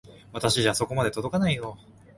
私じゃそこまで届かないよ。